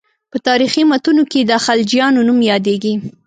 په تاریخي متونو کې د خلجیانو نوم یادېږي.